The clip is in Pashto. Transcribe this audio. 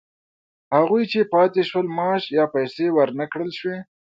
هغوی چې پاتې شول معاش یا پیسې ورنه کړل شوې